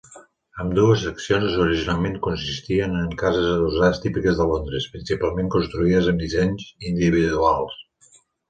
Ambdues seccions originalment consistien en cases adossades típiques de Londres, principalment construïdes amb dissenys individuals.